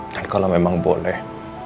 dan kalau memang boleh